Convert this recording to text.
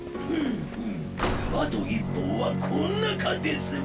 あと１本はこんなかですばい！